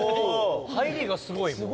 入りがすごいもん。